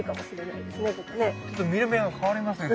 ちょっと見る目が変わりますね。